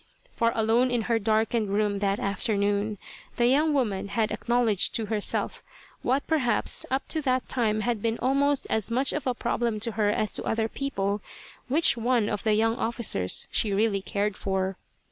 For alone in her darkened room that afternoon, the young woman had acknowledged to herself what perhaps up to that time had been almost as much of a problem to her as to other people which one of the young officers she really cared for.